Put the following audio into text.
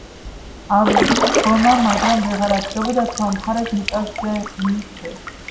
ადგომა მაგრამ ვეღარა დგებოდა ცალ მხარს მიწაზე მიითრევს